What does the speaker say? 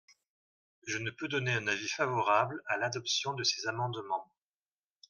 Je ne peux donner un avis favorable à l’adoption de ces amendements.